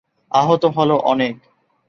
আহত হলো অনেক।